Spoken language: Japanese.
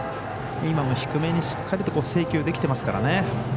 今も低めにしっかり制球できてますからね。